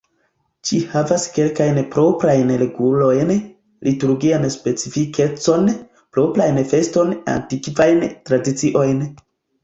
Ĝi havas kelkajn proprajn regulojn, liturgian specifikecon, proprajn festojn, antikvajn tradiciojn.